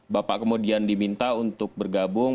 bapak kemudian diminta untuk bergabung